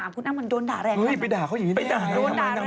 คุณอ้างมันโดนด่าแรงกันนะโดนด่าแรงกันจริงเฮ้ยไปด่าเขาอย่างนี้แน่